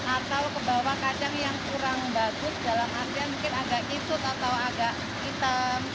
atau kebawah kacang yang kurang bagus dalam artian mungkin agak isut atau agak hitam